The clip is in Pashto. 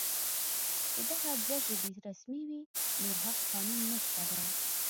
چې دغه دوه ژبې رسمي وې، نور هغه قانون نشته دی